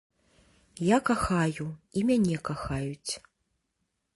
Я кахаю, і мяне кахаюць.